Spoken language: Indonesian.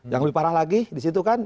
yang lebih parah lagi di situ kan